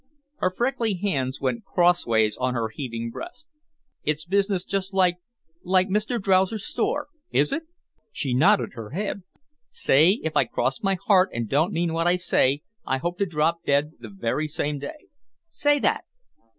Her freckly hands went crossways on her heaving breast. "It's business just like—like Mr. Drowser's store. Is it?" She nodded her head. "Say If I cross my heart and don't mean what I say, I hope to drop dead the very same day. Say that?"